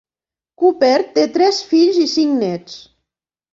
Cooper té tres fills i cinc nets.